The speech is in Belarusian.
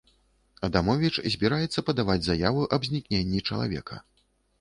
Адамовіч збіраецца падаваць заяву аб знікненні чалавека.